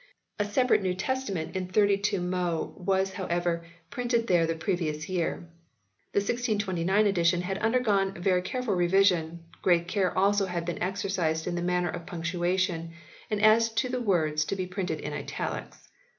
A separate New Testament in 32mo was, however, printed there the previous year. The 1629 edition had undergone very careful re vision > great care also had been exercised in the matter of punctua tion and as to the words to be printed in italics.